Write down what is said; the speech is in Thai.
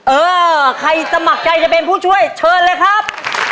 เออใครสมัครใจจะเป็นผู้ช่วยเชิญเลยครับ